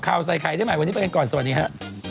ข่าวใส่ไข่ได้ใหม่วันนี้ไปกันก่อนสวัสดีฮะ